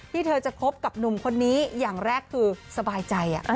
เธอจะคบกับหนุ่มคนนี้อย่างแรกคือสบายใจ